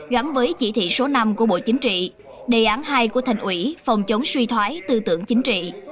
gắn với chỉ thị số năm của bộ chính trị đề án hai của thành ủy phòng chống suy thoái tư tưởng chính trị